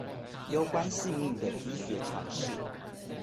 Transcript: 攸關性命的醫學常識